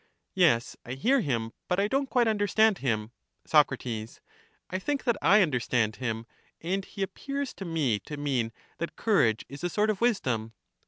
Yes, I hear him, but I don't quite understand him. Soc. I think that I understand him; and he ap pears to me to mean that courage is a sort of wisdom.